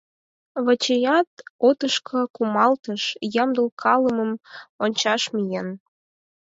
Вачият отышко кумалтыш ямдылкалымым ончаш миен.